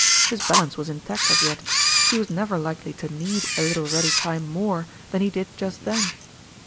His balance was intact as yet ; he was never likely to need a little ready time more than he did just then.